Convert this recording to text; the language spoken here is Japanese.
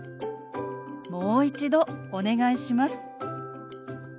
「もう一度お願いします」。